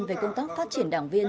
về công tác phát triển đảng viên